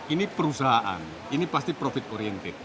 ini perusahaan ini pasti profit oriented